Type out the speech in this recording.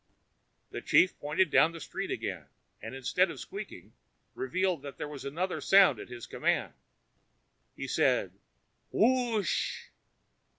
The chief pointed down the street again and, instead of squealing, revealed that there was another sound at his command. He said, "Whooooooosh!"